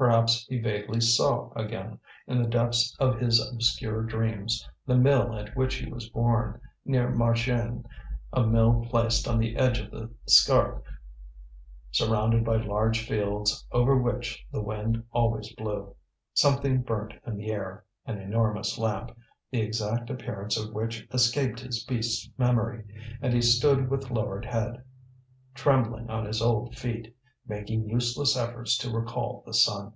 Perhaps he vaguely saw again, in the depths of his obscure dreams, the mill at which he was born, near Marchiennes, a mill placed on the edge of the Scarpe, surrounded by large fields over which the wind always blew. Something burnt in the air an enormous lamp, the exact appearance of which escaped his beast's memory and he stood with lowered head, trembling on his old feet, making useless efforts to recall the sun.